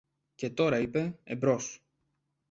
Και τώρα, είπε, εμπρός!